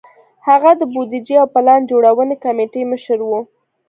هغه د بودیجې او پلان جوړونې کمېټې مشر و.